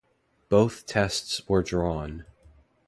Both Tests were drawn.